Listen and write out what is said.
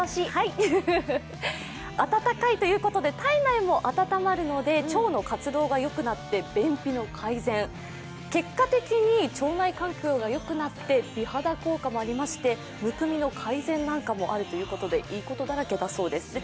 温かいということで体内も温まるので腸の活動がよくなって便秘の改善、結果的に腸内環境がよくなって美肌効果もありましてむくみの改善なんかもあるということで、いいことだらけだそうです。